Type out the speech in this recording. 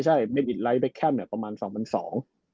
ใช่แบทอิทไลท์แบทแคมป์ประมาณ๒๐๐๒